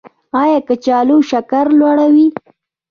ایا کچالو شکر لوړوي؟